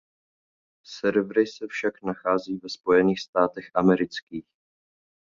Servery se však nachází ve Spojených státech amerických.